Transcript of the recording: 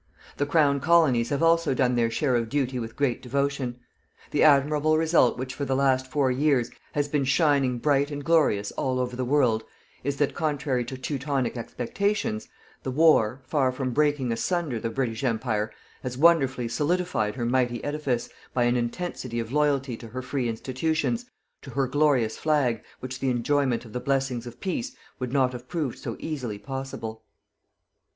The Crown Colonies have also done their share of duty with great devotion. The admirable result which for the last four years has been shining bright and glorious all over the world, is that, contrary to teutonic expectations, the war, far from breaking asunder the British Empire, has wonderfully solidified her mighty edifice, by an intensity of loyalty to her free institutions, to her glorious flag, which the enjoyment of the blessings of peace would not have proved so easily possible.